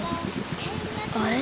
あれ？